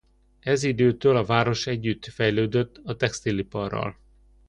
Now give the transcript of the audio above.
Ez időtől a város együtt fejlődött a textiliparral.